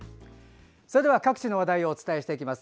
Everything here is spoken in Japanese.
それでは各地の話題をお伝えしていきます。